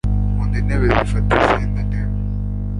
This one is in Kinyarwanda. Nkunda intebe zifata izindi ntebe